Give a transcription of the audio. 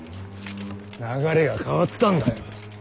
流れが変わったんだよ。